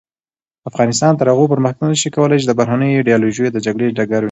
افغانستان تر هغو پرمختګ نشي کولای چې د بهرنیو ایډیالوژیو د جګړې ډګر وي.